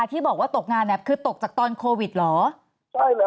โดนปฏิเสธครับโดนปฏิเสธบอกว่าไม่มีข้อมูลแต่ก็ตัดศิษย์เลย